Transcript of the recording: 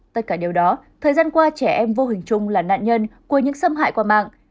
tất cả điều đó thời gian qua trẻ em vô hình chung là nạn nhân của những xâm hại qua mạng